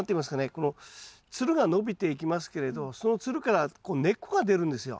このつるが伸びていきますけれどそのつるからこう根っこが出るんですよ。